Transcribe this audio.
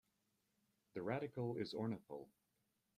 The radical is ornithyl.